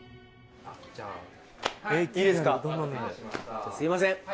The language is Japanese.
じゃあすいません